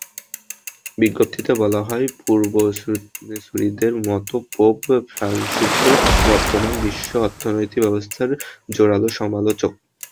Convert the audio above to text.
বিজ্ঞপ্তিতে বলা হয়, পূর্বসূরিদের মতো পোপ ফ্রান্সিসও বর্তমান বিশ্ব অর্থনৈতিক ব্যবস্থার জোরালো সমালোচক।